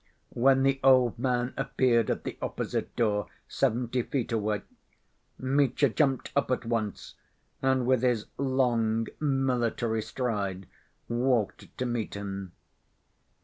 When the old man appeared at the opposite door, seventy feet away, Mitya jumped up at once, and with his long, military stride walked to meet him.